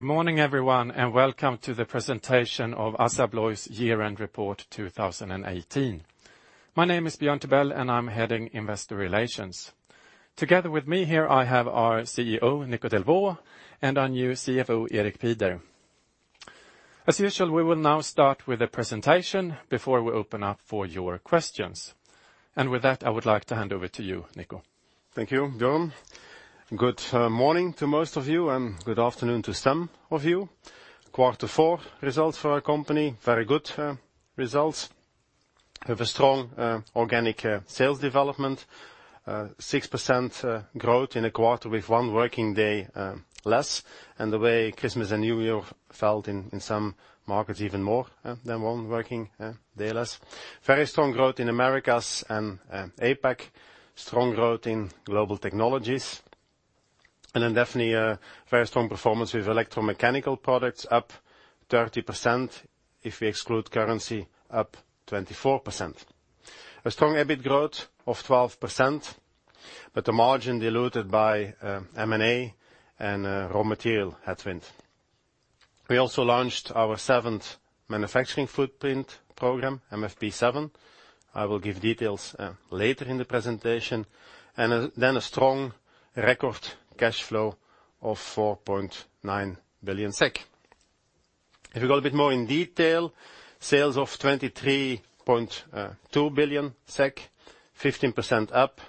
Morning everyone, welcome to the presentation of ASSA ABLOY's year-end report 2018. My name is Björn Tibell, and I am heading investor relations. Together with me here I have our CEO, Nico Delvaux, and our new CFO, Erik Pieder. As usual, we will now start with a presentation before we open up for your questions. With that, I would like to hand over to you, Nico. Thank you, Björn. Good morning to most of you and good afternoon to some of you. Quarter four results for our company, very good results. We have a strong organic sales development, 6% growth in a quarter with one working day less, and the way Christmas and New Year felt in some markets even more than one working day less. Very strong growth in Americas and APAC. Strong growth in Global Technologies. Definitely a very strong performance with electromechanical products up 30%, if we exclude currency, up 24%. A strong EBIT growth of 12%, but the margin diluted by M&A and a raw material headwind. We also launched our seventh manufacturing footprint program, MFP7. I will give details later in the presentation. A strong record cash flow of 4.9 billion SEK. If you go a bit more in detail, sales of 23.2 billion SEK, 15% up.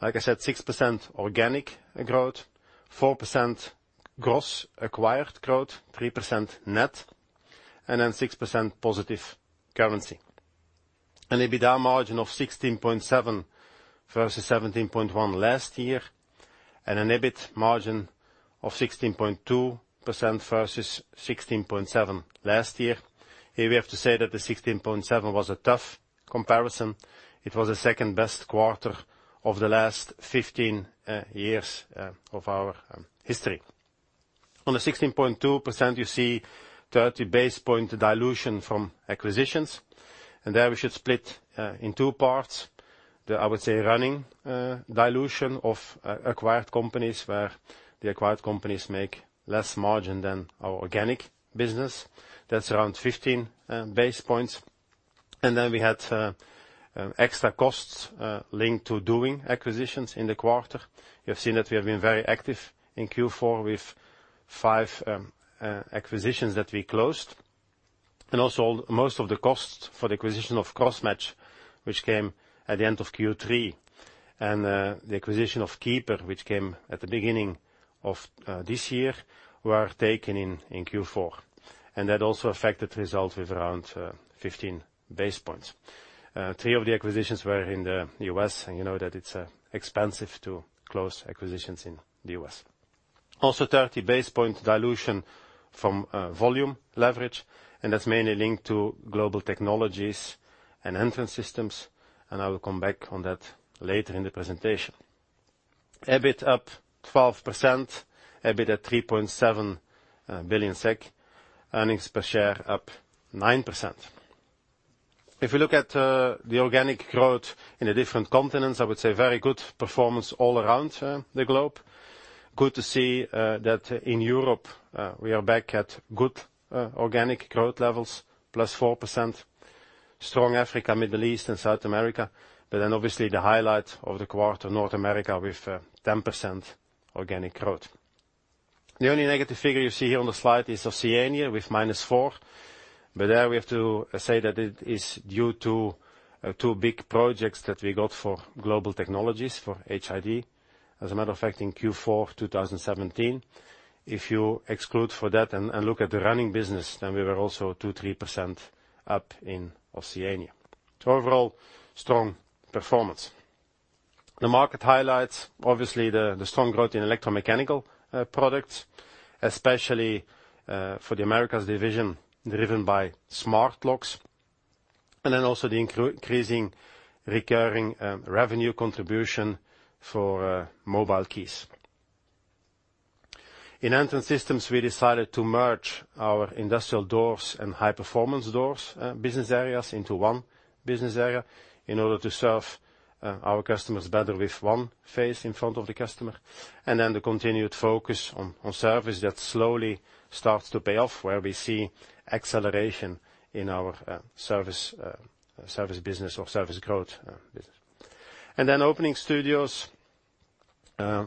Like I said, 6% organic growth, 4% gross acquired growth, 3% net, and then 6% positive currency. An EBITDA margin of 16.7% versus 17.1% last year, and an EBIT margin of 16.2% versus 16.7% last year. Here we have to say that the 16.7% was a tough comparison. It was the second-best quarter of the last 15 years of our history. On the 16.2%, you see 30 basis point dilution from acquisitions, and there we should split in two parts. The, I would say, running dilution of acquired companies where the acquired companies make less margin than our organic business. That's around 15 basis points. We had extra costs linked to doing acquisitions in the quarter. You have seen that we have been very active in Q4 with five acquisitions that we closed. Most of the costs for the acquisition of Crossmatch, which came at the end of Q3, and the acquisition of KEYper Systems, which came at the beginning of this year, were taken in Q4. That also affected results with around 15 basis points. Three of the acquisitions were in the U.S., and you know that it's expensive to close acquisitions in the U.S. Also, 30 basis point dilution from volume leverage, and that's mainly linked to Global Technologies and Entrance Systems, and I will come back on that later in the presentation. EBIT up 12%, EBIT at 3.7 billion SEK. Earnings per share up 9%. If we look at the organic growth in the different continents, I would say very good performance all around the globe. Good to see that in Europe, we are back at good organic growth levels, plus 4%. Strong Africa, Middle East, and South America, obviously the highlight of the quarter, North America with 10% organic growth. The only negative figure you see here on the slide is Oceania with minus 4%, but there we have to say that it is due to two big projects that we got for Global Technologies for HID. As a matter of fact, in Q4 2017, if you exclude for that and look at the running business, then we were also 2%-3% up in Oceania. Overall, strong performance. The market highlights, obviously the strong growth in electromechanical products, especially for the Americas division, driven by smart locks, also the increasing recurring revenue contribution for mobile keys. In Entrance Systems, we decided to merge our industrial doors and high-performance doors business areas into one business area in order to serve our customers better with one face in front of the customer. The continued focus on service that slowly starts to pay off, where we see acceleration in our service business or service growth business. Openings Studio,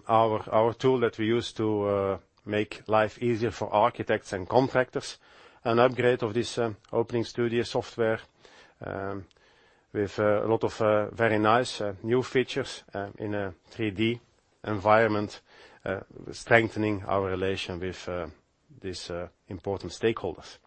our tool that we use to make life easier for architects and contractors. An upgrade of this Openings Studio software, with a lot of very nice new features in a 3D environment, strengthening our relation with these important stakeholders.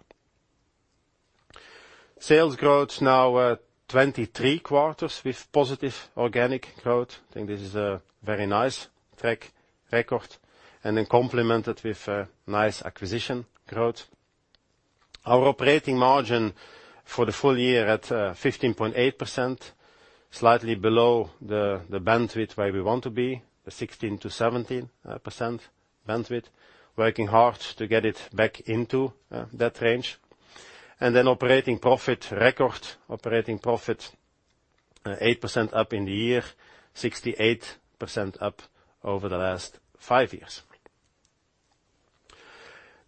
Sales growth now 23 quarters with positive organic growth. I think this is a very nice track record, complemented with nice acquisition growth. Our operating margin for the full year at 15.8%, slightly below the bandwidth where we want to be, the 16%-17% bandwidth. Working hard to get it back into that range. Operating profit, record operating profit, 8% up in the year, 68% up over the last five years.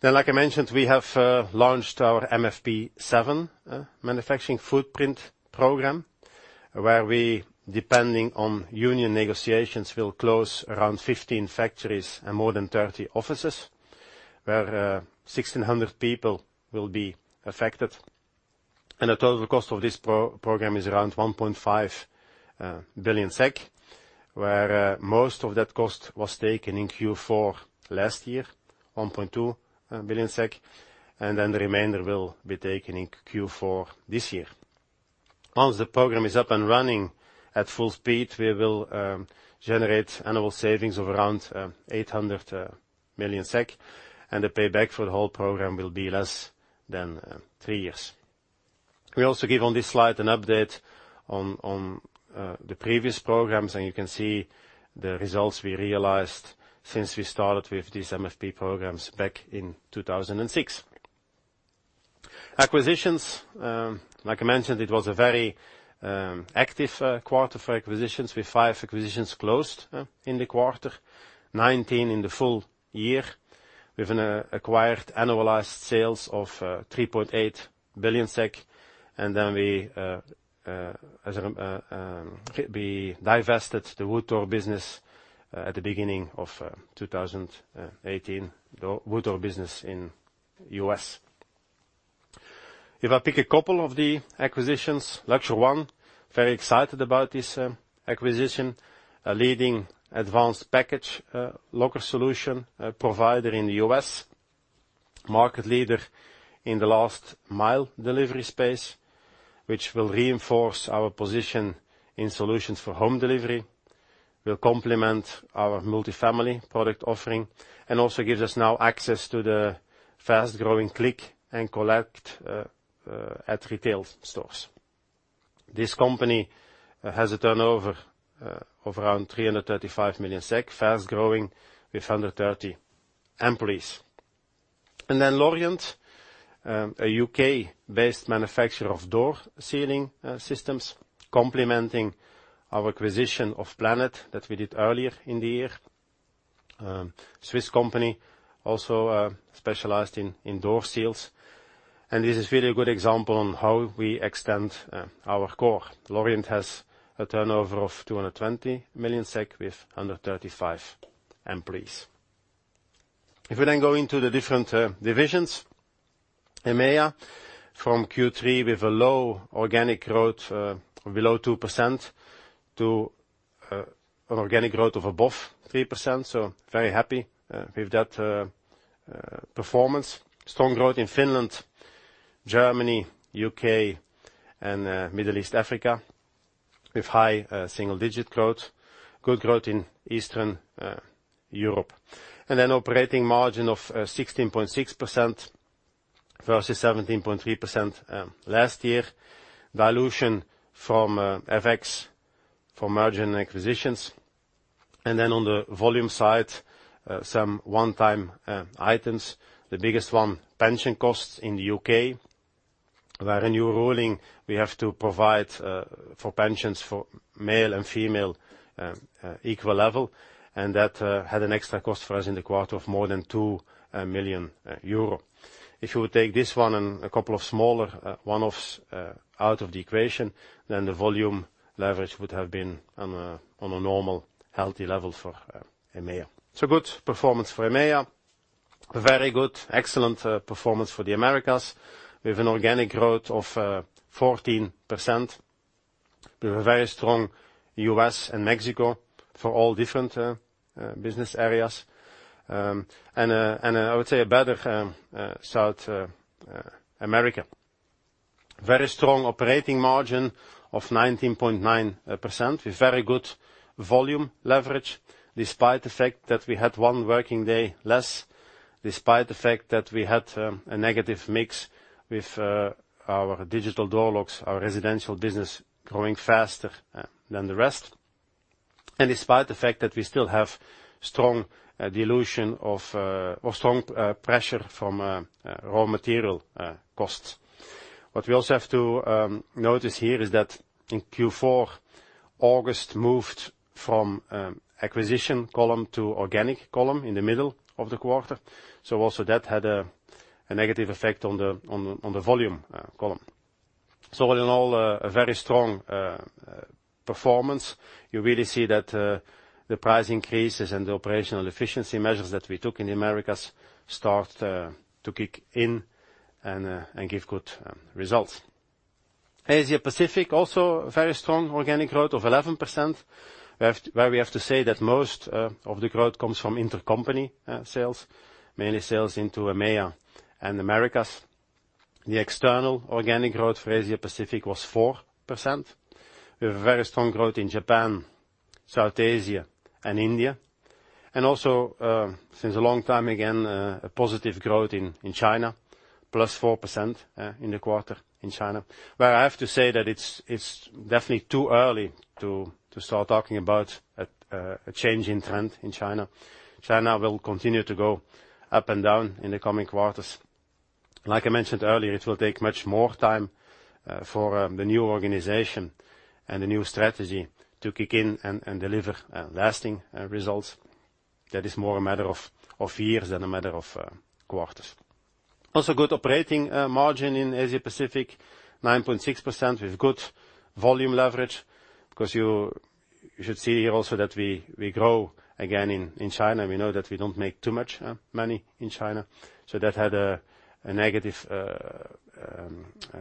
Like I mentioned, we have launched our MFP7, manufacturing footprint program, where we, depending on union negotiations, will close around 15 factories and more than 30 offices, where 1,600 people will be affected. The total cost of this program is around 1.5 billion SEK, where most of that cost was taken in Q4 last year, 1.2 billion SEK, the remainder will be taken in Q4 this year. Once the program is up and running at full speed, we will generate annual savings of around 800 million SEK and the payback for the whole program will be less than three years. We also give on this slide an update on the previous programs, you can see the results we realized since we started with these MFP programs back in 2006. Acquisitions, like I mentioned, it was a very active quarter for acquisitions, with five acquisitions closed in the quarter, 19 in the full year. We've acquired annualized sales of 3.8 billion SEK, we divested the Wood Door business at the beginning of 2018, the Wood Door business in the U.S. If I pick a couple of the acquisitions, Luxer One, very excited about this acquisition. A leading advanced package locker solution provider in the U.S., market leader in the last mile delivery space, which will reinforce our position in solutions for home delivery, will complement our multifamily product offering, also gives us now access to the fast-growing click and collect at retail stores. This company has a turnover of around 335 million SEK, fast-growing with 130 employees. Lorient, a U.K.-based manufacturer of door sealing systems, complementing our acquisition of Planet that we did earlier in the year. Swiss company, also specialized in door seals. This is really a good example on how we extend our core. Lorient has a turnover of 220 million SEK with 135 employees. If we then go into the different divisions, EMEA, from Q3 with a low organic growth of below 2% to an organic growth of above 3%. Very happy with that performance. Strong growth in Finland, Germany, U.K. and Middle East Africa, with high single-digit growth. Good growth in Eastern Europe. Operating margin of 16.6% versus 17.3% last year. Dilution from FX, from margin acquisitions. On the volume side, some one-time items. The biggest one, pension costs in the U.K., where a new ruling, we have to provide for pensions for male and female equal level, that had an extra cost for us in the quarter of more than 2 million euro. If you would take this one and a couple of smaller one-offs out of the equation, the volume leverage would have been on a normal, healthy level for EMEA. Good performance for EMEA. Very good, excellent performance for the Americas with an organic growth of 14%. We have a very strong U.S. and Mexico for all different business areas. I would say a better South America. Very strong operating margin of 19.9% with very good volume leverage, despite the fact that we had one working day less, despite the fact that we had a negative mix with our digital door locks, our residential business growing faster than the rest, despite the fact that we still have strong dilution or strong pressure from raw material costs. What we also have to notice here is that in Q4, August moved from acquisition column to organic column in the middle of the quarter. Also that had a negative effect on the volume column. All in all, a very strong performance. You really see that the price increases and the operational efficiency measures that we took in the Americas start to kick in and give good results. Asia Pacific, also very strong organic growth of 11%, where we have to say that most of the growth comes from intercompany sales, mainly sales into EMEA and Americas. The external organic growth for Asia Pacific was 4%. We have very strong growth in Japan, South Asia and India. Also, since a long time again, a positive growth in China, plus 4% in the quarter in China. Where I have to say that it's definitely too early to start talking about a change in trend in China. China will continue to go up and down in the coming quarters. Like I mentioned earlier, it will take much more time for the new organization and the new strategy to kick in and deliver lasting results. That is more a matter of years than a matter of quarters. Also good operating margin in Asia Pacific, 9.6%, with good volume leverage. You should see here also that we grow again in China. We know that we don't make too much money in China. That had a negative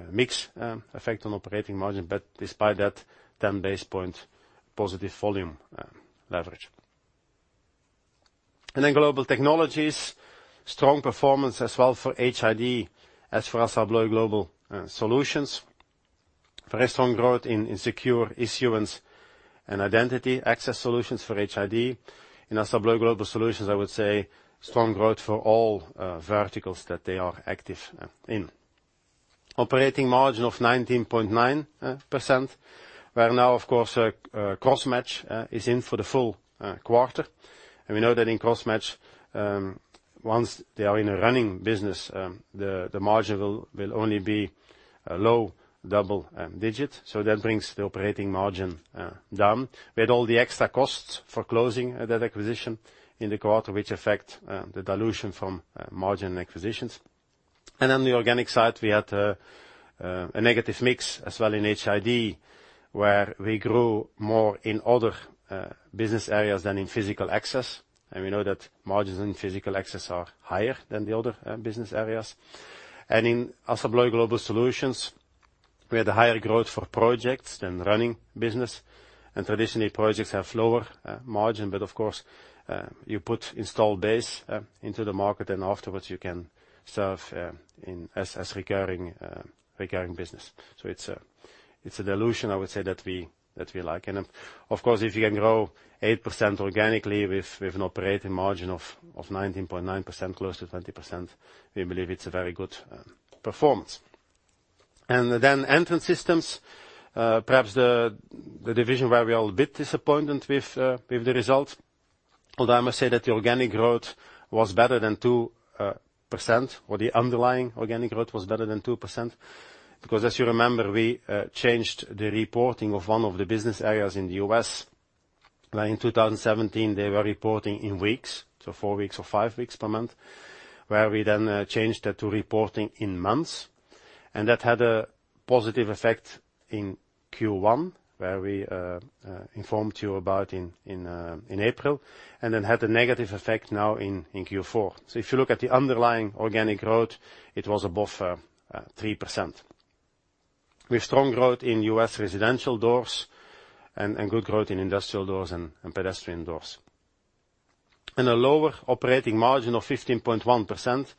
mix effect on operating margin, but despite that, 10 basis points positive volume leverage. Global Technologies, strong performance as well for HID as for ASSA ABLOY Global Solutions. Very strong growth in secure issuance and identity access solutions for HID. In ASSA ABLOY Global Solutions, I would say strong growth for all verticals that they are active in. Operating margin of 19.9%, where now, of course, Crossmatch is in for the full quarter. We know that in Crossmatch, once they are in a running business, the margin will only be low double-digit. That brings the operating margin down. We had all the extra costs for closing that acquisition in the quarter, which affect the dilution from margin acquisitions. The organic side, we had a negative mix as well in HID, where we grew more in other business areas than in physical access. We know that margins in physical access are higher than the other business areas. In ASSA ABLOY Global Solutions, we had a higher growth for projects than running business. Traditionally, projects have lower margin. Of course, you put installed base into the market, and afterwards you can serve as recurring business. It's a dilution, I would say, that we like. Of course, if you can grow 8% organically with an operating margin of 19.9%, close to 20%, we believe it's a very good performance. Entrance Systems, perhaps the division where we are a bit disappointed with the results, although I must say that the organic growth was better than 2%, or the underlying organic growth was better than 2%. As you remember, we changed the reporting of one of the business areas in the U.S. In 2017, they were reporting in weeks, so 4 weeks or 5 weeks per month, where we then changed that to reporting in months. That had a positive effect in Q1, where we informed you about in April, had a negative effect now in Q4. If you look at the underlying organic growth, it was above 3%. We have strong growth in U.S. residential doors good growth in industrial doors and pedestrian doors. A lower operating margin of 15.1%.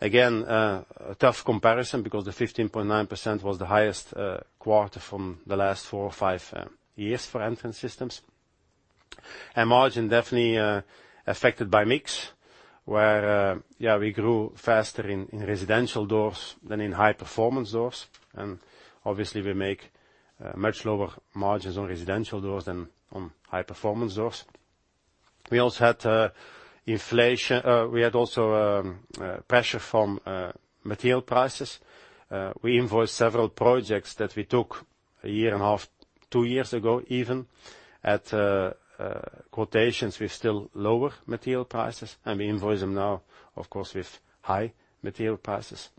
Again, a tough comparison because the 15.9% was the highest quarter from the last 4 or 5 years for Entrance Systems. Margin definitely affected by mix, where we grew faster in residential doors than in high-performance doors. Obviously, we make much lower margins on residential doors than on high-performance doors. We had also pressure from material prices. We invoiced several projects that we took a year and a half, 2 years ago, even, at quotations with still lower material prices, we invoice them now, of course, with high material prices.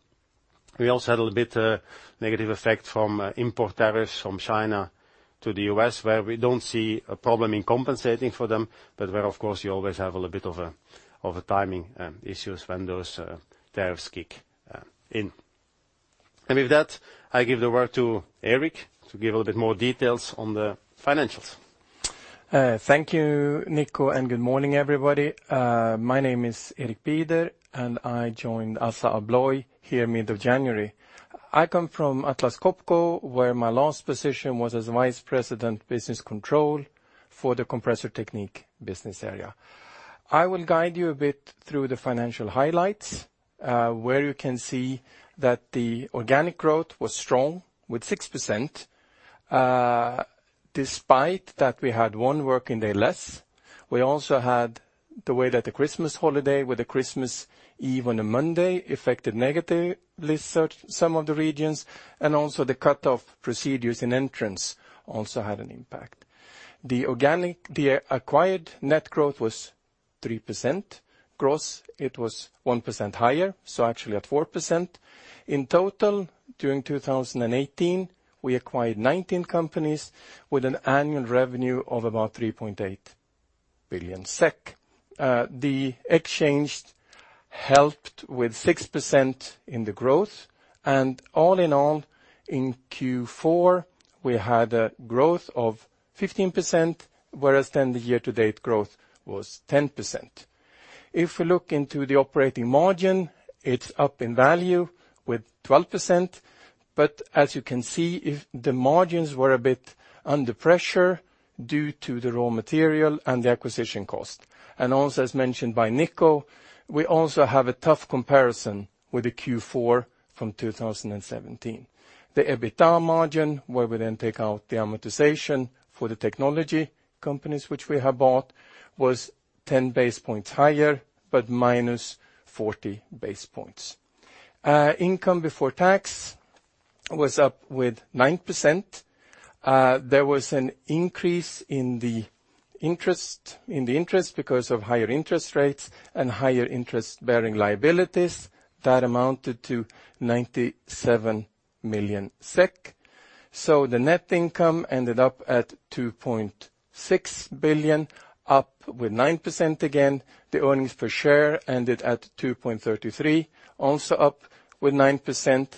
We also had a little bit negative effect from import tariffs from China to the U.S., where we don't see a problem in compensating for them, you always have a little bit of a timing issues when those tariffs kick in. With that, I give the word to Erik to give a little bit more details on the financials. Thank you, Nico. Good morning, everybody. My name is Erik Pieder, and I joined Assa Abloy here mid of January. I come from Atlas Copco, where my last position was as Vice President Business Control for the Compressor Technique business area. I will guide you a bit through the financial highlights, where you can see that the organic growth was strong with 6%, despite that we had one working day less. We also had the way that the Christmas holiday, with the Christmas Eve on a Monday, affected negatively some of the regions, and also the cut-off procedures in entrance also had an impact. The acquired net growth was 3%. Gross, it was 1% higher, so actually at 4%. In total, during 2018, we acquired 19 companies with an annual revenue of about 3.8 billion SEK. The exchange helped with 6% in the growth. All in all, in Q4, we had a growth of 15%, whereas the year-to-date growth was 10%. If we look into the operating margin, it's up in value with 12%, but as you can see, the margins were a bit under pressure due to the raw material and the acquisition cost. Also, as mentioned by Nico, we also have a tough comparison with the Q4 from 2017. The EBITDA margin, where we then take out the amortization for the technology companies which we have bought, was 10 basis points higher, but minus 40 basis points. Income before tax was up with 9%. There was an increase in the interest because of higher interest rates and higher interest-bearing liabilities that amounted to 97 million. The net income ended up at 2.6 billion, up with 9% again. The earnings per share ended at 2.33, also up with 9%.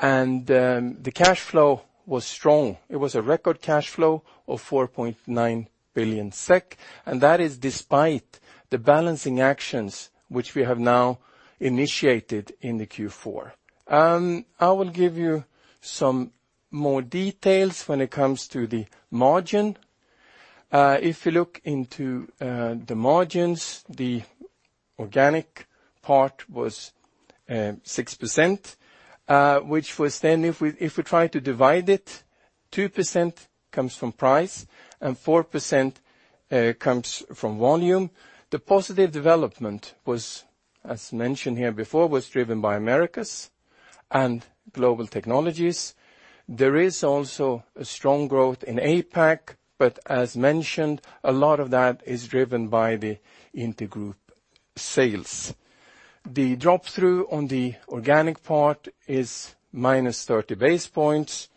The cash flow was strong. It was a record cash flow of 4.9 billion SEK, that is despite the balancing actions which we have now initiated in the Q4. I will give you some more details when it comes to the margin. If you look into the margins, the organic part was 6%, which was then if we try to divide it, 2% comes from price and 4% comes from volume. The positive development, as mentioned here before, was driven by Americas and Global Technologies. There is also a strong growth in APAC, but as mentioned, a lot of that is driven by the intergroup sales. The drop-through on the organic part is -30 basis points,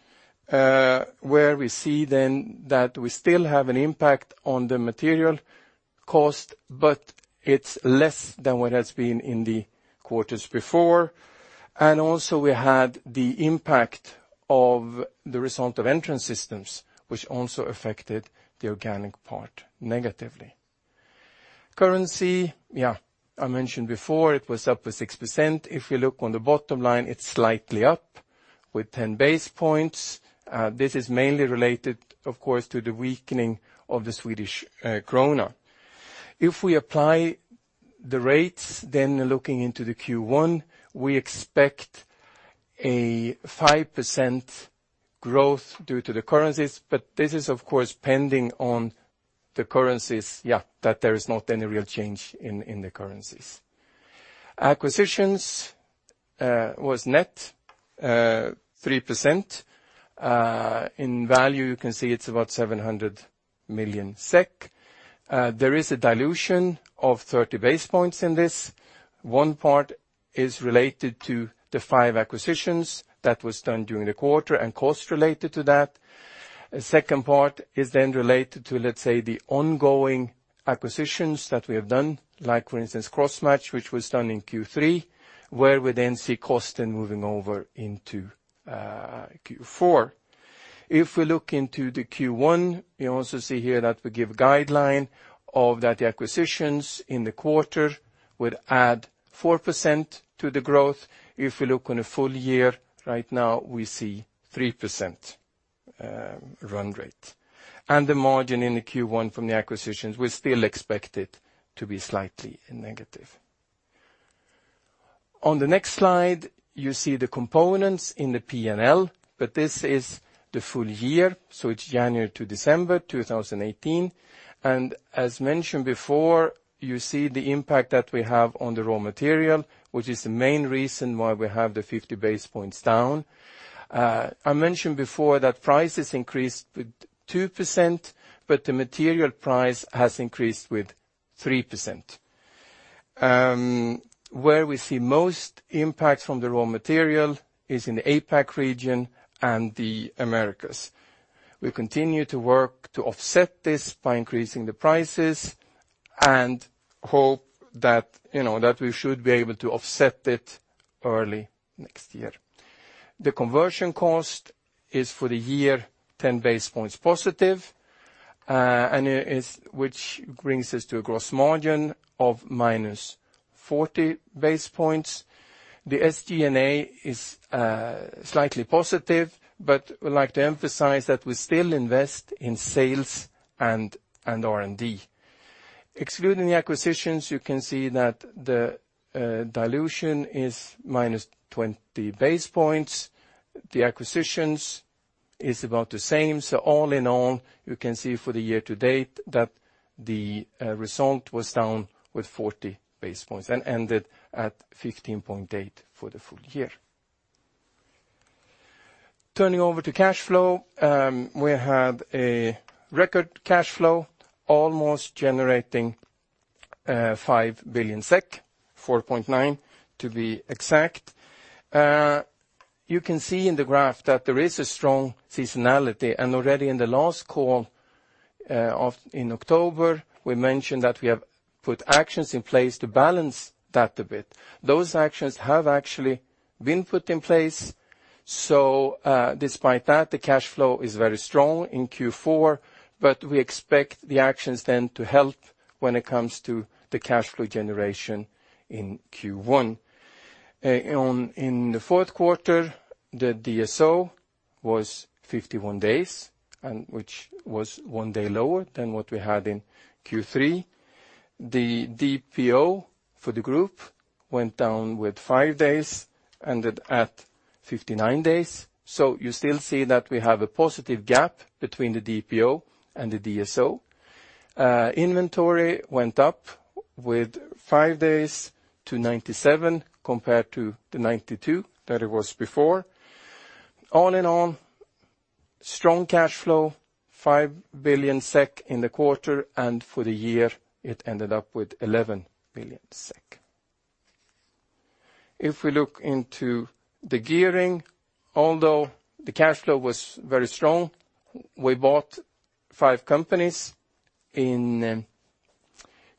where we see that we still have an impact on the material cost, but it's less than what has been in the quarters before. We also had the impact of the result of Entrance Systems, which also affected the organic part negatively. Currency, I mentioned before, it was up to 6%. If you look on the bottom line, it's slightly up with 10 basis points. This is mainly related, of course, to the weakening of the Swedish krona. If we apply the rates, looking into the Q1, we expect a 5% growth due to the currencies, but this is, of course, pending on the currencies that there is not any real change in the currencies. Acquisitions was net 3%. In value, you can see it's about 700 million SEK. There is a dilution of 30 basis points in this. One part is related to the five acquisitions that was done during the quarter and costs related to that. A second part is related to, let's say, the ongoing acquisitions that we have done, like for instance, Crossmatch, which was done in Q3, where we see cost moving over into Q4. If we look into the Q1, you also see here that we give guideline of that acquisitions in the quarter would add 4% to the growth. If we look on a full year, right now, we see 3% run rate. The margin in the Q1 from the acquisitions, we still expect it to be slightly negative. On the next slide, you see the components in the P&L, but this is the full year, so it's January to December 2018. As mentioned before, you see the impact that we have on the raw material, which is the main reason why we have the 50 basis points down. I mentioned before that prices increased with 2%, but the material price has increased with 3%. Where we see most impact from the raw material is in the APAC region and the Americas. We continue to work to offset this by increasing the prices and hope that we should be able to offset it early next year. The conversion cost is for the year 10 basis points positive, which brings us to a gross margin of -40 basis points. The SGA is slightly positive, but we like to emphasize that we still invest in sales and R&D. Excluding the acquisitions, you can see that the dilution is -20 basis points. The acquisitions is about the same. All in all, you can see for the year to date that the result was down with 40 basis points and ended at 15.8% for the full year. Turning over to cash flow. We had a record cash flow, almost generating 5 billion SEK, 4.9 billion to be exact. You can see in the graph that there is a strong seasonality, already in the last call in October, we mentioned that we have put actions in place to balance that a bit. Those actions have actually been put in place. Despite that, the cash flow is very strong in Q4, but we expect the actions to help when it comes to the cash flow generation in Q1. In the fourth quarter, the DSO was 51 days, which was one day lower than what we had in Q3. The DPO for the group went down with five days, ended at 59 days. You still see that we have a positive gap between the DPO and the DSO. Inventory went up with five days to 97 compared to the 92 that it was before. On and on. Strong cash flow, 5 billion SEK in the quarter, and for the year, it ended up with 11 billion SEK. We look into the gearing, although the cash flow was very strong, we bought five companies in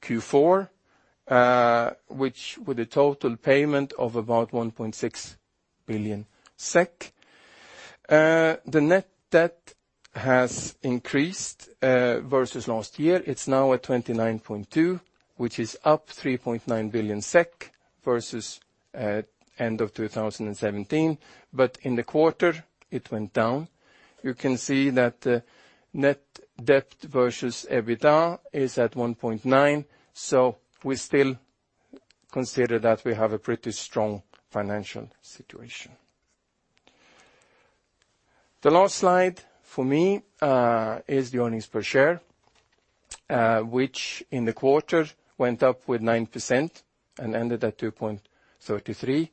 Q4, which with a total payment of about 1.6 billion SEK. The net debt has increased versus last year. It is now at 29.2, which is up 3.9 billion SEK versus end of 2017. In the quarter it went down. You can see that net debt versus EBITDA is at 1.9. We still consider that we have a pretty strong financial situation. The last slide for me is the earnings per share, which in the quarter went up with 9% and ended at 2.33.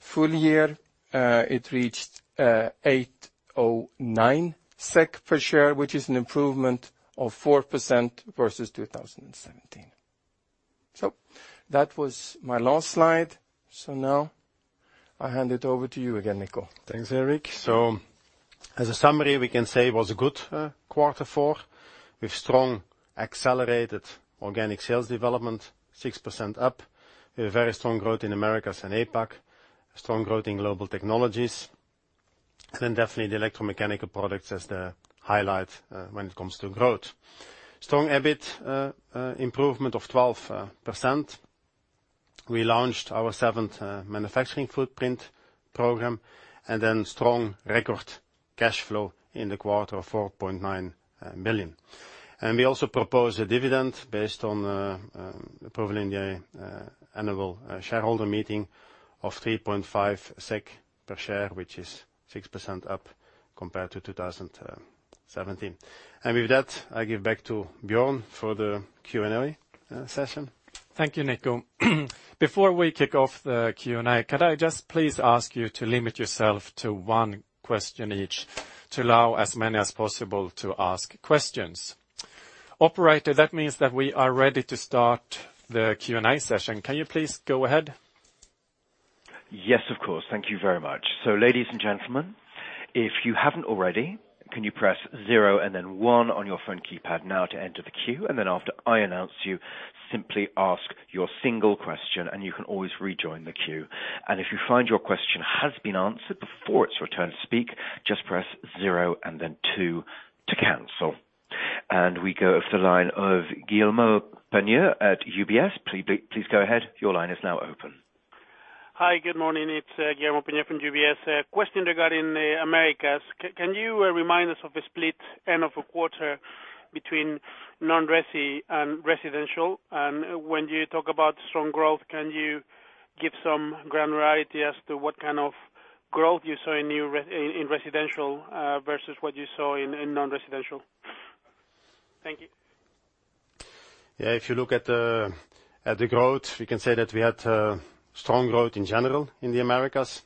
Full year, it reached 8.09 SEK per share, which is an improvement of 4% versus 2017. That was my last slide. Now I hand it over to you again, Nico. Thanks, Erik. As a summary, we can say it was a good quarter four with strong accelerated organic sales development, 6% up, with very strong growth in Americas and APAC, strong growth in Global Technologies, then definitely the electromechanical products as the highlight when it comes to growth. Strong EBIT improvement of 12%. We launched our seventh manufacturing footprint program. Strong record cash flow in the quarter of 4.9 billion. We also proposed a dividend based on the approval in the annual shareholder meeting of 3.5 SEK per share, which is 6% up compared to 2017. With that, I give back to Björn for the Q&A session. Thank you, Nico. Before we kick off the Q&A, could I just please ask you to limit yourself to one question each to allow as many as possible to ask questions? Operator, that means that we are ready to start the Q&A session. Can you please go ahead? Yes, of course. Thank you very much. Ladies and gentlemen, if you haven't already, can you press zero and then one on your phone keypad now to enter the queue, then after I announce you, simply ask your single question, and you can always rejoin the queue. If you find your question has been answered before it's your turn to speak, just press zero and then two to cancel. We go to the line of Guillermo Pena at UBS. Please go ahead. Your line is now open. Hi. Good morning. It's Guillermo Pena from UBS. A question regarding the Americas. Can you remind us of the split end of a quarter between non-resi and residential? When you talk about strong growth, can you give some granularity as to what kind of growth you saw in residential versus what you saw in non-residential? Thank you. If you look at the growth, we can say that we had strong growth in general in the Americas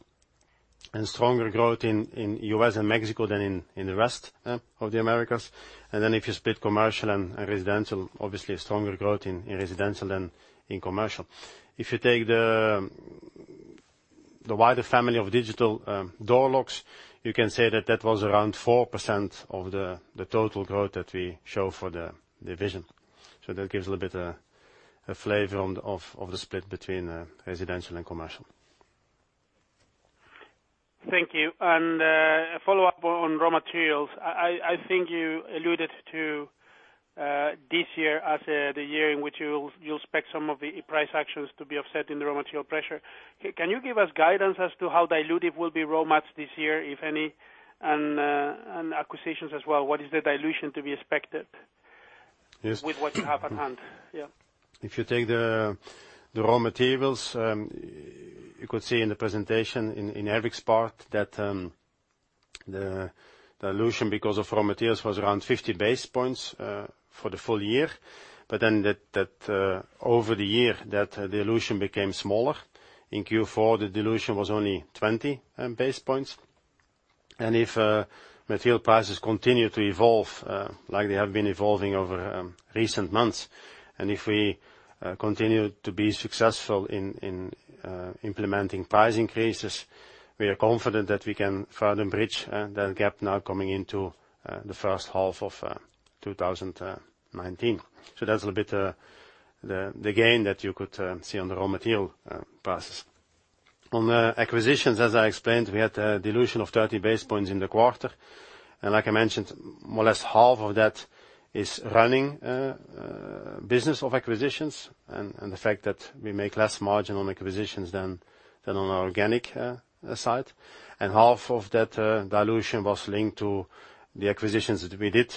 and stronger growth in U.S. and Mexico than in the rest of the Americas. If you split commercial and residential, obviously a stronger growth in residential than in commercial. If you take the wider family of digital door locks, you can say that that was around 4% of the total growth that we show for the division. That gives a little bit a flavor of the split between residential and commercial. Thank you. A follow-up on raw materials. I think you alluded to this year as the year in which you'll expect some of the price actions to be offset in the raw material pressure. Can you give us guidance as to how dilutive will be raw mats this year, if any, and acquisitions as well? What is the dilution to be expected- Yes. With what you have at hand? Yeah. If you take the raw materials, you could see in the presentation in Erik's part that the dilution because of raw materials was around 50 basis points for the full year. Over the year, that dilution became smaller. In Q4, the dilution was only 20 basis points. If material prices continue to evolve like they have been evolving over recent months, and if we continue to be successful in implementing price increases, we are confident that we can further bridge that gap now coming into the first half of 2019. That's a little bit the gain that you could see on the raw material prices. On the acquisitions, as I explained, we had a dilution of 30 basis points in the quarter. Like I mentioned, more or less half of that is running business of acquisitions and the fact that we make less margin on acquisitions than on our organic side. Half of that dilution was linked to the acquisitions that we did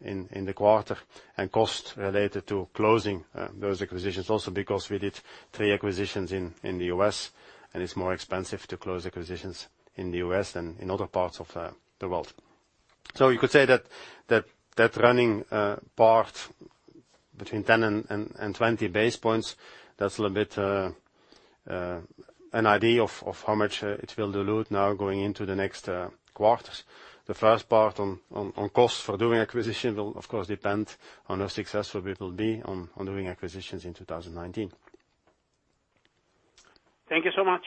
in the quarter and cost related to closing those acquisitions also because we did three acquisitions in the U.S., and it's more expensive to close acquisitions in the U.S. than in other parts of the world. You could say that running part between 10 and 20 basis points, that's a little bit an idea of how much it will dilute now going into the next quarters. The first part on costs for doing acquisition will of course depend on how successful we will be on doing acquisitions in 2019. Thank you so much.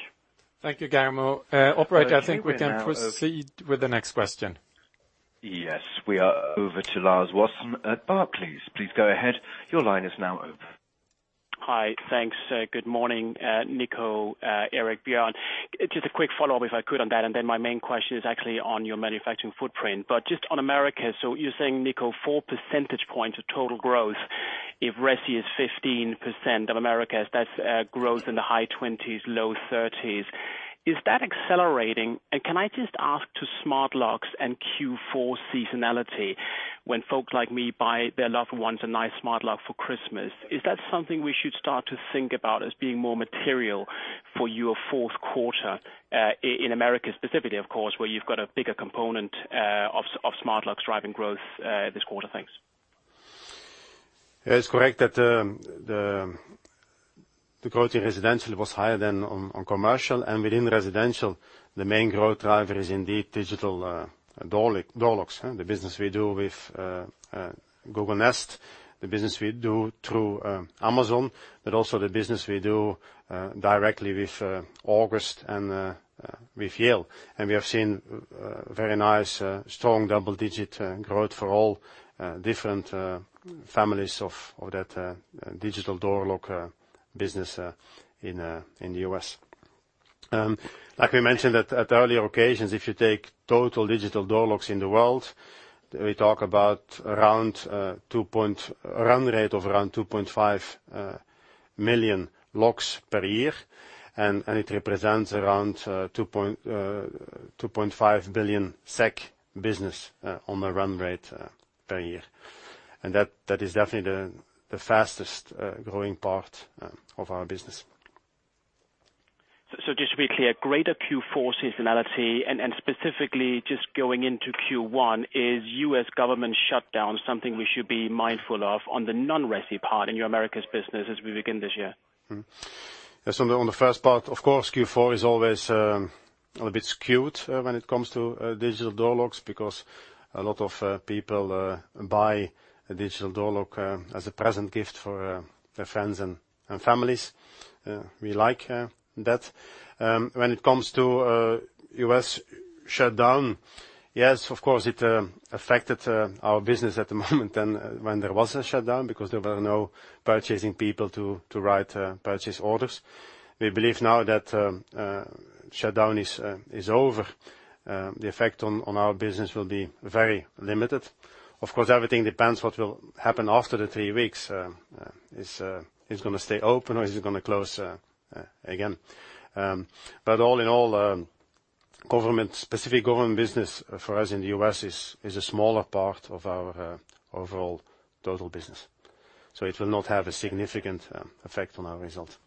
Thank you, Guillermo. Operator, I think we can proceed with the next question. Yes. We are over to Lars Wassum at Barclays. Please go ahead. Your line is now open. Hi. Thanks. Good morning, Nico, Erik, Björn. Just a quick follow-up, if I could, on that, and then my main question is actually on your manufacturing footprint. Just on Americas, so you're saying, Nico, four percentage points of total growth. If resi is 15% of Americas, that's growth in the high 20s, low 30s. Is that accelerating? Can I just ask to smart locks and Q4 seasonality, when folks like me buy their loved ones a nice smart lock for Christmas, is that something we should start to think about as being more material for your fourth quarter, in America specifically, of course, where you've got a bigger component of smart locks driving growth this quarter? Thanks. It's correct that the growth in residential was higher than on commercial. Within residential, the main growth driver is indeed digital door locks. The business we do with Google Nest, the business we do through Amazon, but also the business we do directly with August and with Yale. We have seen very nice strong double-digit growth for all different families of that digital door lock business in the U.S. Like we mentioned at earlier occasions, if you take total digital door locks in the world, we talk about a run rate of around 2.5 million locks per year, and it represents around 2.5 billion SEK business on a run rate per year. That is definitely the fastest growing part of our business. Just to be clear, greater Q4 seasonality and specifically just going into Q1, is U.S. government shutdown something we should be mindful of on the non-resi part in your Americas business as we begin this year? On the first part, of course, Q4 is always a little bit skewed when it comes to digital door locks because a lot of people buy a digital door lock as a present gift for their friends and families. We like that. When it comes to U.S. shutdown, yes, of course, it affected our business at the moment when there was a shutdown because there were no purchasing people to write purchase orders. We believe now that shutdown is over, the effect on our business will be very limited. Of course, everything depends what will happen after the 3 weeks. Is it going to stay open or is it going to close again? All in all, specific government business for us in the U.S. is a smaller part of our overall total business, so it will not have a significant effect on our results.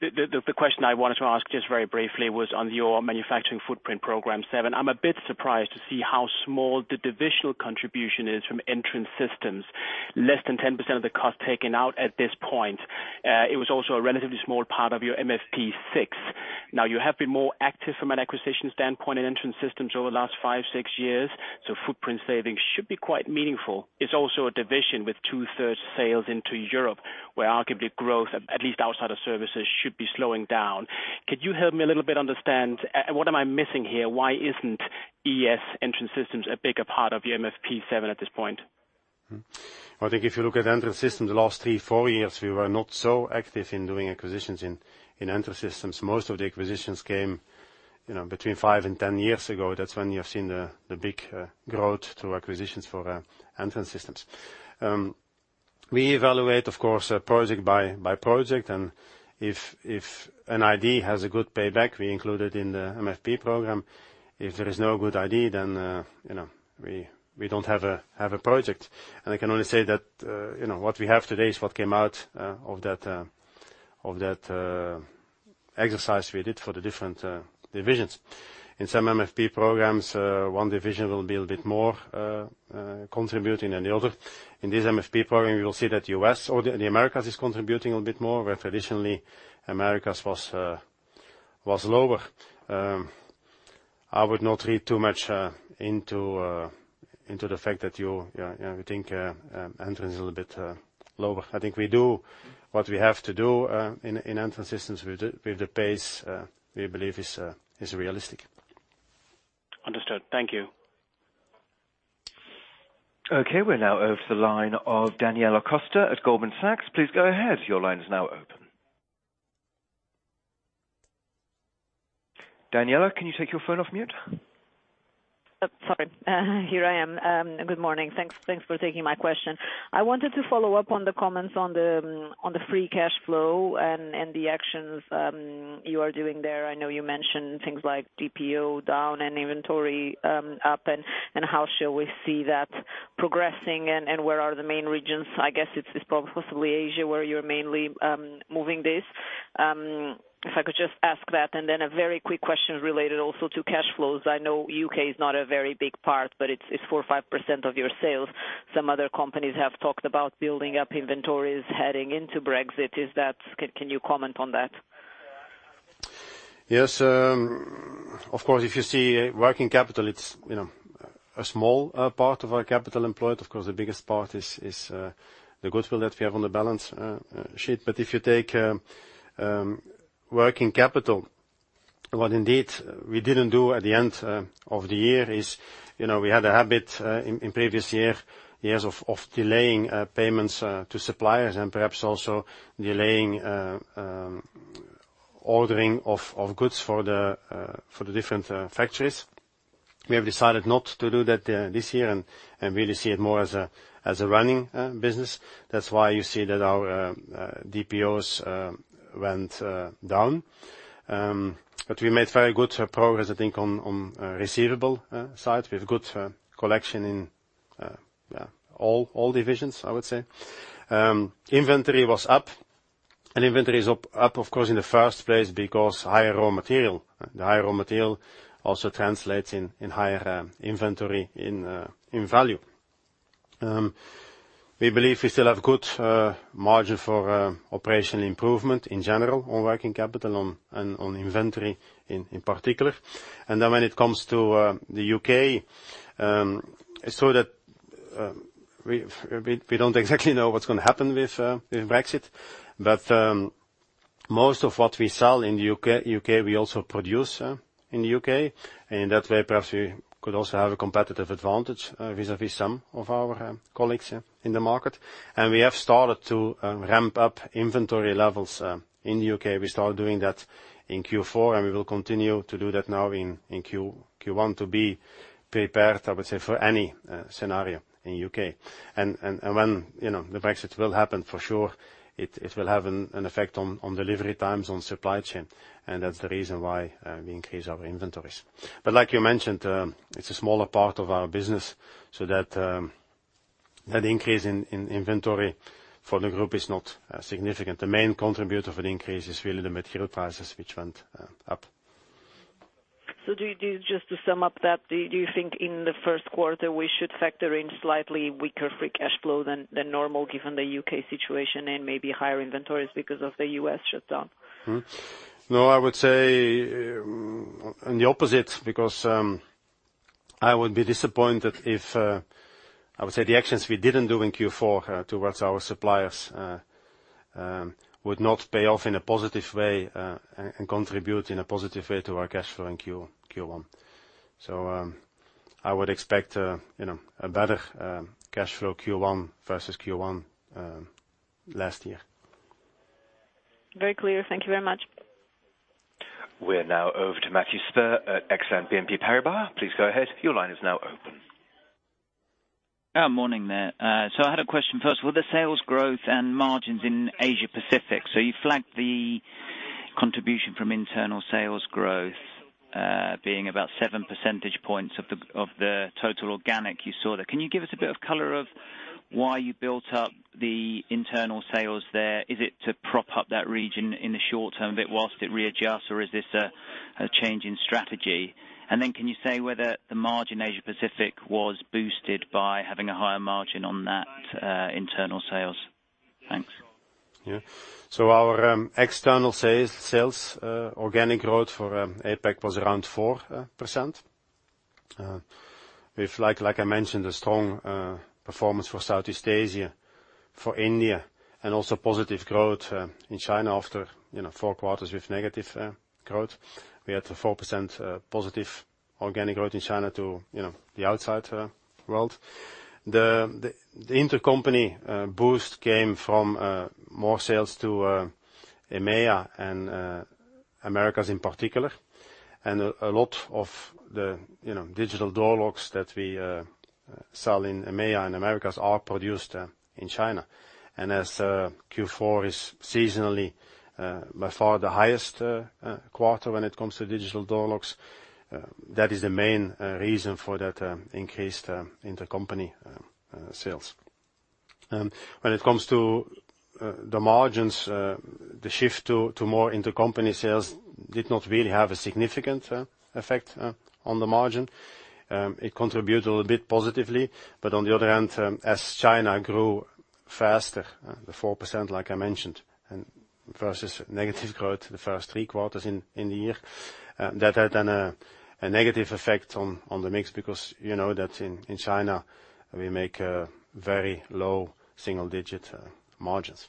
The question I wanted to ask, just very briefly, was on your MFP program 7. I'm a bit surprised to see how small the divisional contribution is from Entrance Systems. Less than 10% of the cost taken out at this point. It was also a relatively small part of your MFP 6. Now you have been more active from an acquisition standpoint in Entrance Systems over the last five, six years, so footprint savings should be quite meaningful. It's also a division with two-thirds sales into Europe, where arguably growth, at least outside of services, should be slowing down. Could you help me a little bit understand what am I missing here? Why isn't ES, Entrance Systems, a bigger part of your MFP 7 at this point? I think if you look at Entrance Systems, the last three, four years, we were not so active in doing acquisitions in Entrance Systems. Most of the acquisitions came between five and 10 years ago. That's when you have seen the big growth through acquisitions for Entrance Systems. We evaluate, of course, project by project, and if an idea has a good payback, we include it in the MFP program. If there is no good idea, then we don't have a project. I can only say that what we have today is what came out of that exercise we did for the different divisions. In some MFP programs, one division will be a little bit more contributing than the other. In this MFP program, you will see that U.S. or the Americas is contributing a bit more, where traditionally Americas was lower. I would not read too much into the fact that you think Entrance is a little bit lower. I think we do what we have to do in Entrance Systems with the pace we believe is realistic. Understood. Thank you. Okay, we're now over to the line of Daniela Costa at Goldman Sachs. Please go ahead. Your line is now open. Daniela, can you take your phone off mute? Sorry. Here I am. Good morning. Thanks for taking my question. I wanted to follow up on the comments on the free cash flow and the actions you are doing there. I know you mentioned things like DPO down and inventory up and how shall we see that progressing and where are the main regions, I guess it's possibly Asia where you're mainly moving this. If I could just ask that, and then a very quick question related also to cash flows. I know U.K. is not a very big part, but it's 4% or 5% of your sales. Some other companies have talked about building up inventories heading into Brexit. Can you comment on that? Yes. Of course, if you see working capital, it's a small part of our capital employed. Of course, the biggest part is the goodwill that we have on the balance sheet. If you take working capital, what indeed we didn't do at the end of the year is, we had a habit in previous years of delaying payments to suppliers and perhaps also delaying ordering of goods for the different factories. We have decided not to do that this year and really see it more as a running business. That's why you see that our DPOs went down. We made very good progress, I think, on receivable side. We have good collection in all divisions, I would say. Inventory was up, inventory is up, of course, in the first place because higher raw material. The higher raw material also translates in higher inventory in value. We believe we still have good margin for operational improvement in general, on working capital and on inventory in particular. When it comes to the U.K., we don't exactly know what's going to happen with Brexit, but most of what we sell in the U.K., we also produce in the U.K., and in that way, perhaps we could also have a competitive advantage vis-a-vis some of our colleagues in the market. We have started to ramp up inventory levels in the U.K. We started doing that in Q4, we will continue to do that now in Q1 to be prepared, I would say, for any scenario in U.K. When the Brexit will happen for sure, it will have an effect on delivery times, on supply chain, and that's the reason why we increase our inventories. Like you mentioned, it's a smaller part of our business, so that increase in inventory for the group is not significant. The main contributor for the increase is really the material prices, which went up. Just to sum up that, do you think in the first quarter, we should factor in slightly weaker free cash flow than normal given the U.K. situation and maybe higher inventories because of the U.S. shutdown? I would say on the opposite, because I would be disappointed if the actions we didn't do in Q4 towards our suppliers would not pay off in a positive way, and contribute in a positive way to our cash flow in Q1. I would expect a better cash flow Q1 versus Q1 last year. Very clear. Thank you very much. We're now over to Matthew Stur at Exane BNP Paribas. Please go ahead. Your line is now open. Morning there. I had a question first. With the sales growth and margins in Asia Pacific, you flagged the contribution from internal sales growth being about seven percentage points of the total organic you saw there. Can you give us a bit of color of why you built up the internal sales there? Is it to prop up that region in the short term a bit whilst it readjusts, or is this a change in strategy? Can you say whether the margin Asia Pacific was boosted by having a higher margin on that internal sales? Thanks. Our external sales organic growth for APAC was around 4%. With, like I mentioned, a strong performance for Southeast Asia, for India, and also positive growth in China after 4 quarters with negative growth. We had a 4% positive organic growth in China to the outside world. The intercompany boost came from more sales to EMEA and Americas in particular. A lot of the digital door locks that we sell in EMEA and Americas are produced in China. As Q4 is seasonally by far the highest quarter when it comes to digital door locks, that is the main reason for that increase in the company sales. When it comes to the margins, the shift to more intercompany sales did not really have a significant effect on the margin. It contributed a little bit positively, but on the other hand, as China grew faster, the 4%, like I mentioned, versus negative growth the first three quarters in the year, that had then a negative effect on the mix because you know that in China we make very low single-digit margins.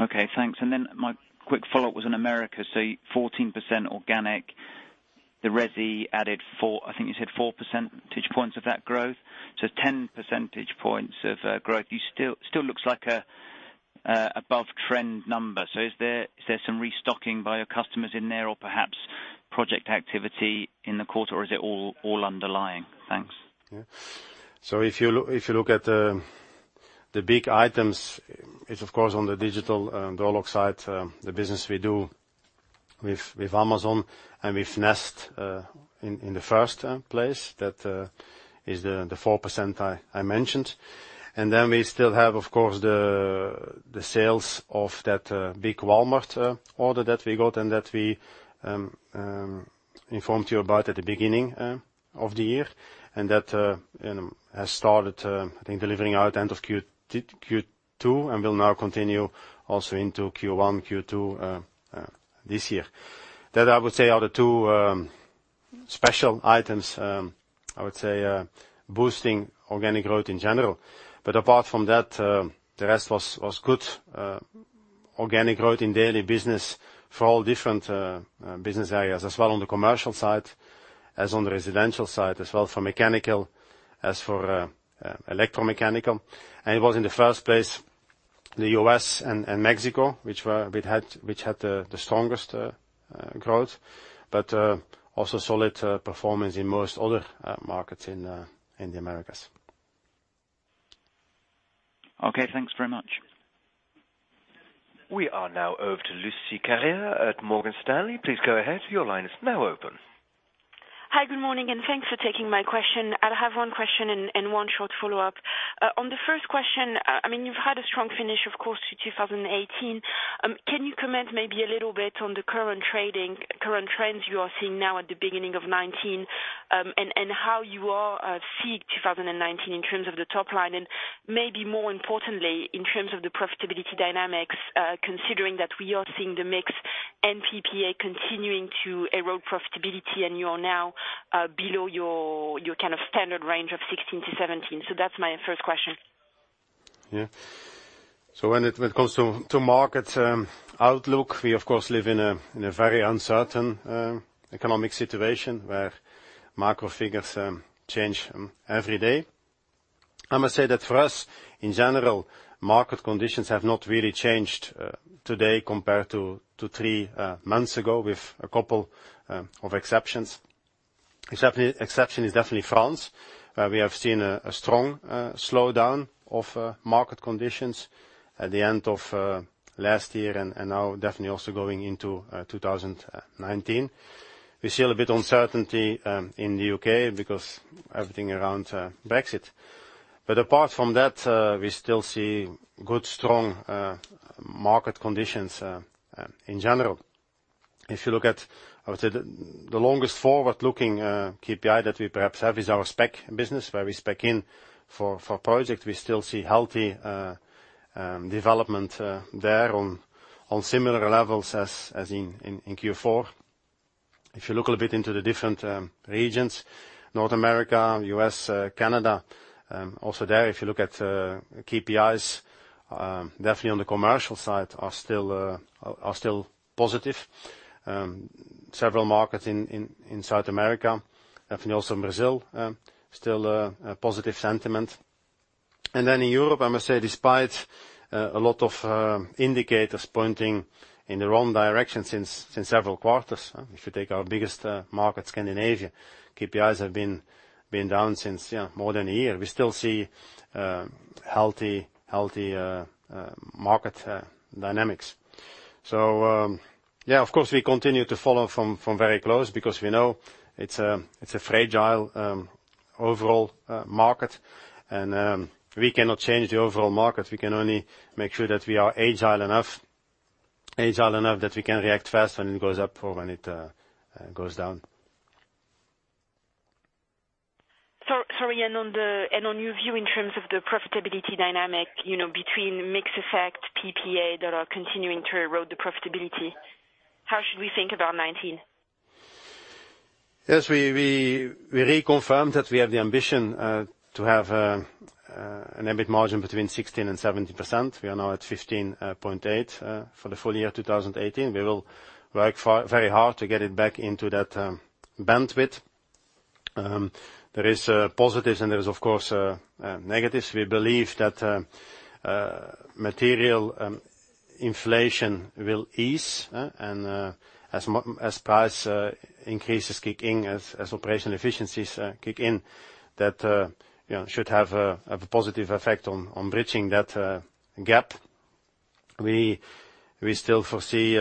Okay, thanks. My quick follow-up was in Americas. 14% organic. The resi added four, I think you said four percentage points of that growth. 10 percentage points of growth. Still looks like above trend number. Is there some restocking by your customers in there or perhaps project activity in the quarter, or is it all underlying? Thanks. If you look at the big items, it is of course on the digital door lock side, the business we do with Amazon and with Nest in the first place, that is the 4% I mentioned. We still have, of course, the sales of that big Walmart order that we got and that we informed you about at the beginning of the year, and that has started, I think, delivering out end of Q2, and will now continue also into Q1, Q2 this year. That I would say are the two special items, I would say, boosting organic growth in general. Apart from that, the rest was good. Organic growth in daily business for all different business areas as well on the commercial side, as on the residential side, as well for mechanical, as for electromechanical. It was in the first place, the U.S. and Mexico, which had the strongest growth, but also solid performance in most other markets in the Americas. Okay, thanks very much. We are now over to Lucie Carrier at Morgan Stanley. Please go ahead. Your line is now open. Hi, good morning, and thanks for taking my question. I have one question and one short follow-up. On the first question, you've had a strong finish, of course, to 2018. Can you comment maybe a little bit on the current trends you are seeing now at the beginning of 2019, and how you see 2019 in terms of the top line, and maybe more importantly, in terms of the profitability dynamics, considering that we are seeing the mix and PPA continuing to erode profitability and you are now below your kind of standard range of 16 to 17? That's my first question. Yeah. When it comes to market outlook, we, of course, live in a very uncertain economic situation where macro figures change every day. I must say that for us, in general, market conditions have not really changed today compared to 3 months ago, with a couple of exceptions. Exception is definitely France, where we have seen a strong slowdown of market conditions at the end of last year and now definitely also going into 2019. We see a little bit uncertainty in the U.K. because everything around Brexit. Apart from that, we still see good, strong market conditions in general. If you look at, I would say the longest forward-looking KPI that we perhaps have is our spec business, where we spec in for project. We still see healthy development there on similar levels as in Q4. If you look a little bit into the different regions, North America, U.S., Canada, also there, if you look at KPIs, definitely on the commercial side are still positive. Several markets in South America, definitely also Brazil, still a positive sentiment. In Europe, I must say, despite a lot of indicators pointing in the wrong direction since several quarters. If you take our biggest market, Scandinavia, KPIs have been down since more than one year. We still see healthy market dynamics. Yeah, of course, we continue to follow from very close because we know it's a fragile overall market, and we cannot change the overall market. We can only make sure that we are agile enough that we can react fast when it goes up or when it goes down. Sorry, on your view in terms of the profitability dynamic, between mix effect, PPA that are continuing to erode the profitability, how should we think about 2019? Yes, we reconfirmed that we have the ambition to have an EBIT margin between 16%-17%. We are now at 15.8% for the full year 2018. We will work very hard to get it back into that bandwidth. There is positives and there is, of course, negatives. We believe that material inflation will ease, and as price increases kick in, as operational efficiencies kick in, that should have a positive effect on bridging that gap. We still foresee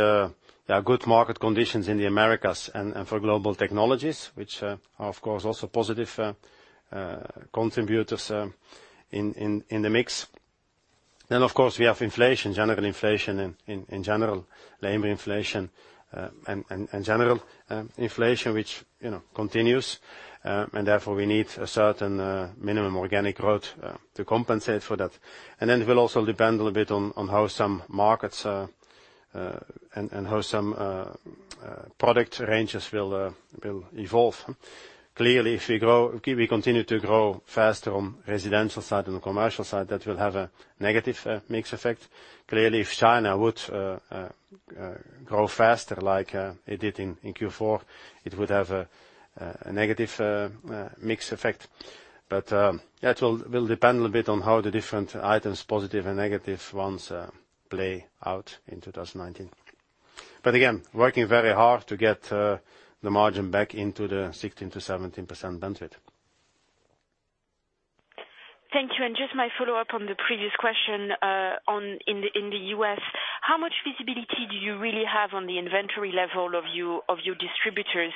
there are good market conditions in the Americas and for Global Technologies, which are, of course, also positive contributors in the mix. Of course, we have inflation, general inflation, and in general, labor inflation, and general inflation, which continues, and therefore, we need a certain minimum organic growth to compensate for that. It will also depend a little bit on how some markets and how some product ranges will evolve. Clearly, if we continue to grow faster on residential side and the commercial side, that will have a negative mix effect. Clearly, if China would grow faster like it did in Q4, it would have a negative mix effect. That will depend a little bit on how the different items, positive and negative ones, play out in 2019. Again, working very hard to get the margin back into the 16%-17% bandwidth. Thank you. Just my follow-up on the previous question, in the U.S., how much visibility do you really have on the inventory level of your distributors?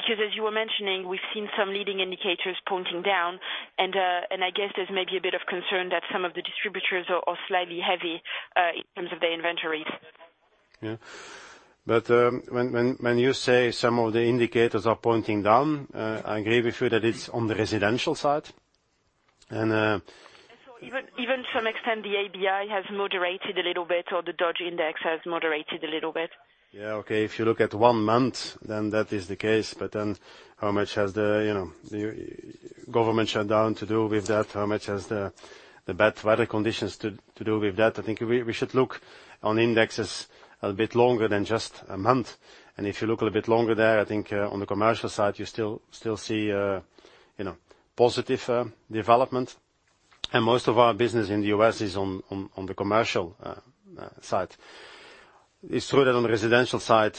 As you were mentioning, we've seen some leading indicators pointing down, I guess there's maybe a bit of concern that some of the distributors are slightly heavy, in terms of their inventories. Yeah. When you say some of the indicators are pointing down, I agree with you that it's on the residential side. Even some extent, the ABI has moderated a little bit, or the Dodge Index has moderated a little bit. Okay. If you look at one month, that is the case. How much has the government shutdown to do with that? How much has the bad weather conditions to do with that? I think we should look on indexes a bit longer than just a month. If you look a little bit longer there, I think, on the commercial side, you still see positive development. Most of our business in the U.S. is on the commercial side. It's true that on the residential side,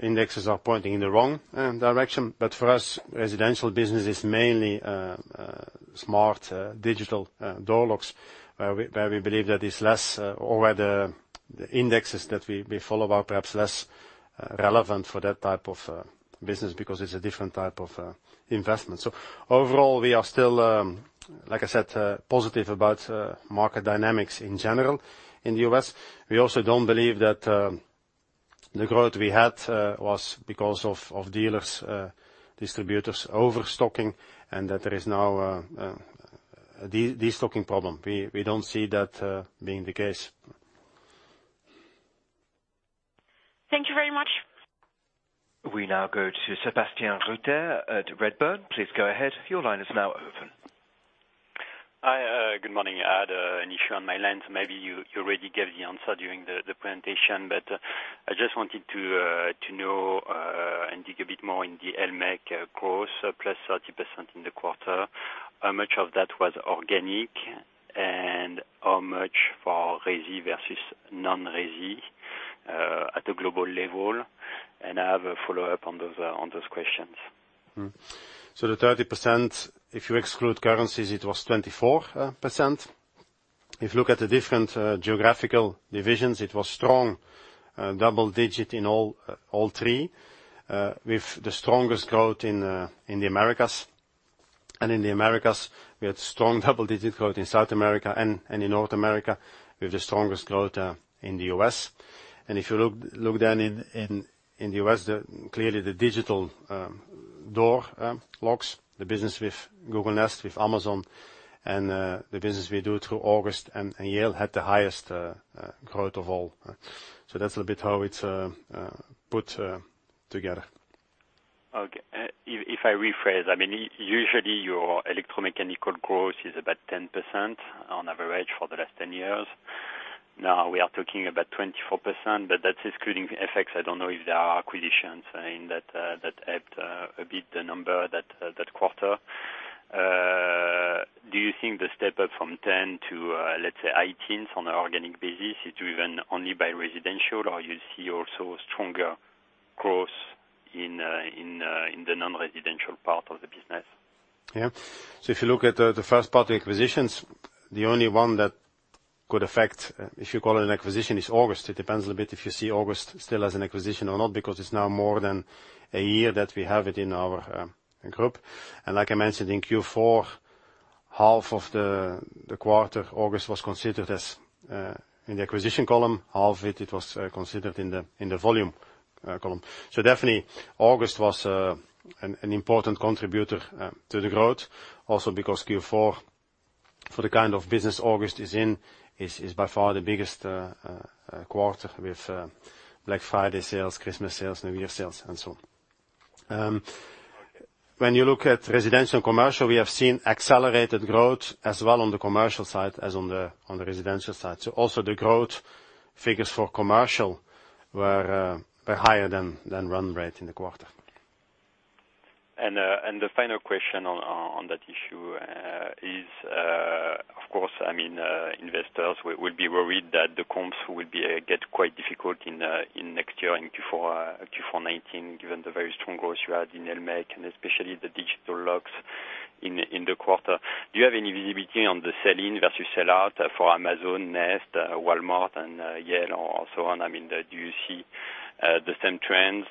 indexes are pointing in the wrong direction. For us, residential business is mainly smart digital door locks, where we believe that it's less, or where the indexes that we follow are perhaps less relevant for that type of business because it's a different type of investment. Overall, we are still, like I said, positive about market dynamics in general in the U.S. We also don't believe that the growth we had was because of dealers, distributors overstocking, and that there is now a destocking problem. We don't see that being the case. Thank you very much. We now go to Sebastian Erskine at Redburn. Please go ahead. Your line is now open. Hi, good morning. I had an issue on my lens. Maybe you already gave the answer during the presentation, but I just wanted to know, dig a bit more in the electromechanical course, +30% in the quarter. How much of that was organic, and how much for resi versus non-resi, at a global level? I have a follow-up on those questions. The 30%, if you exclude currencies, it was 24%. If you look at the different geographical divisions, it was strong, double-digit in all three, with the strongest growth in the Americas. In the Americas, we had strong double-digit growth in South America and in North America, with the strongest growth in the U.S. If you look then in the U.S., clearly the digital door locks, the business with Google Nest, with Amazon, and the business we do through August and Yale had the highest growth of all. That's a bit how it's put together. Okay. If I rephrase, usually your electromechanical growth is about 10% on average for the last 10 years. Now we are talking about 24%, but that's excluding effects. I don't know if there are acquisitions that helped a bit the number that quarter. Do you think the step up from 10 to, let's say, 18 on an organic basis is driven only by residential, or you see also stronger growth in the non-residential part of the business? Yeah. If you look at the first part, the acquisitions, the only one that could affect, if you call it an acquisition, is August. It depends a little bit if you see August still as an acquisition or not, because it's now more than a year that we have it in our group. Like I mentioned in Q4, half of the quarter, August was considered as in the acquisition column, half it was considered in the volume column. Definitely August was an important contributor to the growth. Also because Q4, for the kind of business August is in, is by far the biggest quarter with Black Friday sales, Christmas sales, New Year sales, and so on. When you look at residential and commercial, we have seen accelerated growth as well on the commercial side as on the residential side. Also the growth figures for commercial were higher than run rate in the quarter. The final question on that issue is, of course, investors will be worried that the comps will get quite difficult in next year, in Q4 2019, given the very strong growth you had in electromechanical, and especially the digital locks in the quarter. Do you have any visibility on the sell-in versus sell-out for Amazon, Nest, Walmart, and Yale, or so on? Do you see the same trends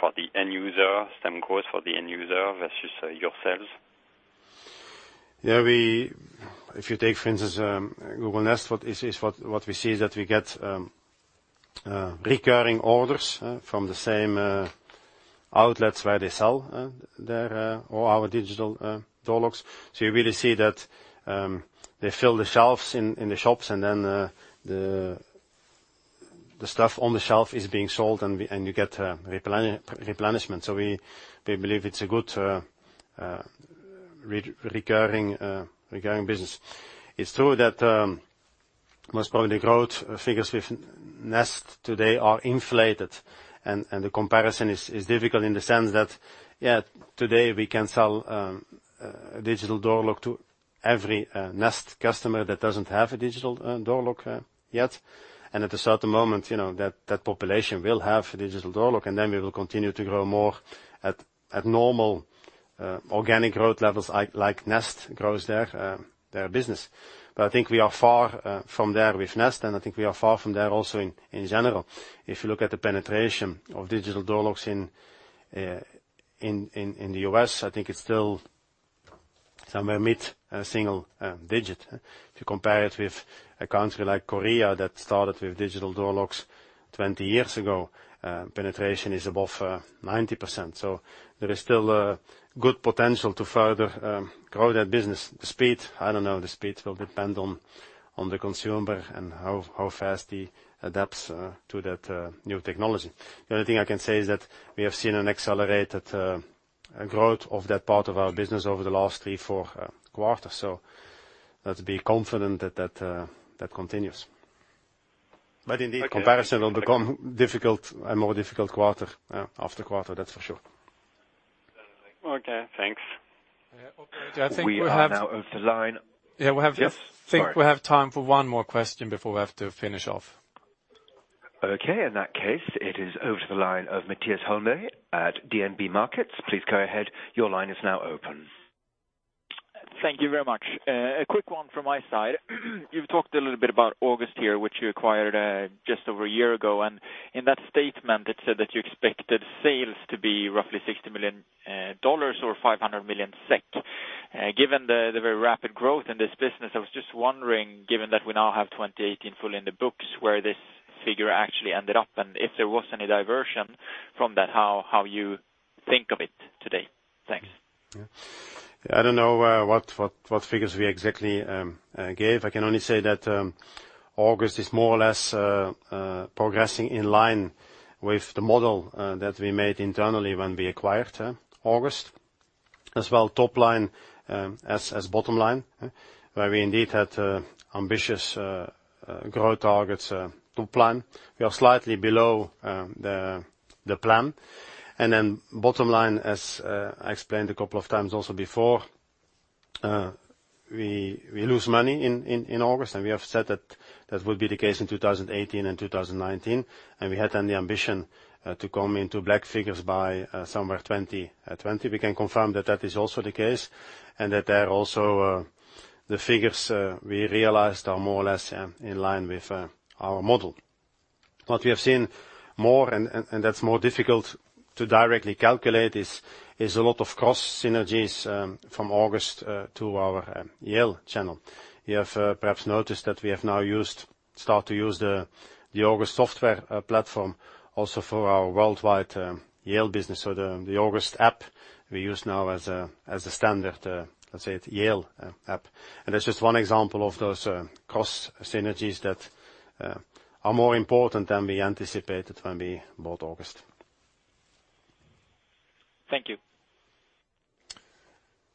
for the end user, same growth for the end user versus your sales? If you take, for instance, Google Nest, what we see is that we get recurring orders from the same outlets where they sell all our digital door locks. You really see that they fill the shelves in the shops, and then the stuff on the shelf is being sold, and you get replenishment. We believe it's a good recurring business. It's true that most probably growth figures with Nest today are inflated, and the comparison is difficult in the sense that, yeah, today we can sell a digital door lock to every Nest customer that doesn't have a digital door lock yet. And at a certain moment, that population will have a digital door lock, and then we will continue to grow more at normal organic growth levels, like Nest grows their business. I think we are far from there with Nest, and I think we are far from there also in general. If you look at the penetration of digital door locks in the U.S., I think it's still somewhere mid-single digit. If you compare it with a country like Korea that started with digital door locks 20 years ago, penetration is above 90%. There is still a good potential to further grow that business. The speed, I don't know. The speed will depend on the consumer and how fast he adapts to that new technology. The only thing I can say is that we have seen an accelerated growth of that part of our business over the last three, four quarters. Let's be confident that continues. Indeed, comparison will become more difficult quarter after quarter, that's for sure. Okay, thanks. We are now off the line. Yeah. Yes? Sorry. I think we have time for one more question before we have to finish off. Okay, in that case, it is over to the line of Mattias Holmberg at DNB Markets. Please go ahead. Your line is now open. Thank you very much. A quick one from my side. You've talked a little bit about August here, which you acquired just over a year ago, and in that statement, it said that you expected sales to be roughly $60 million or 500 million SEK. Given the very rapid growth in this business, I was just wondering, given that we now have 2018 fully in the books, where this figure actually ended up, and if there was any diversion from that, how you think of it today? Thanks. Yeah. I don't know what figures we exactly gave. I can only say that August is more or less progressing in line with the model that we made internally when we acquired August. As well top line as bottom line, where we indeed had ambitious growth targets to plan. We are slightly below the plan. Bottom line, as I explained a couple of times also before, we lose money in August, and we have said that will be the case in 2018 and 2019, and we had then the ambition to come into black figures by somewhere 2020. We can confirm that is also the case, and that there also the figures we realized are more or less in line with our model. What we have seen more, and that's more difficult to directly calculate, is a lot of cross synergies from August to our Yale channel. You have perhaps noticed that we have now start to use the August software platform also for our worldwide Yale business. The August app, we use now as a standard, let's say, Yale app. That's just one example of those cross synergies that are more important than we anticipated when we bought August. Thank you.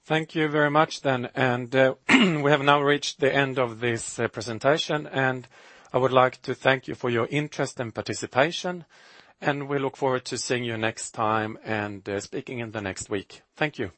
Thank you very much then. We have now reached the end of this presentation, and I would like to thank you for your interest and participation, and we look forward to seeing you next time and speaking in the next week. Thank you.